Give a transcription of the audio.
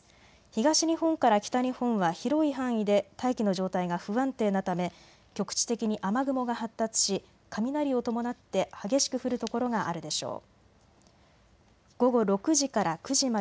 東日本から北日本は広い範囲で大気の状態が不安定なため局地的に雨雲が発達し雷を伴って激しく降る所があるでしょう。